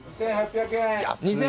２，８００円。